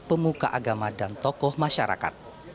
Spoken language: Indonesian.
pemuka agama dan tokoh masyarakat